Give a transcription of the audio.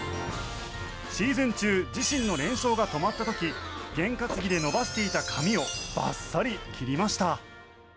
シーズン中自身の連勝が止まった時験担ぎで伸ばしていた髪をバッサリ切りました。